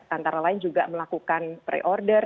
antara lain juga melakukan pre order